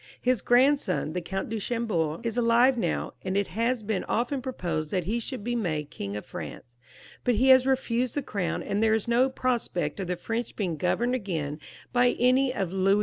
His grandson, the Count of Cham bord, is alive now, and it has often been proposed that he should be made King of France, but he has refused the crown, and there is no prospect of the French being govothod again by any of Louis XV.'